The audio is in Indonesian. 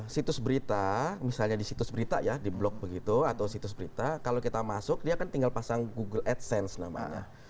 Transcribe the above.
situs berita misalnya di situs berita ya di blog begitu atau situs berita kalau kita masuk dia kan tinggal pasang google adsense namanya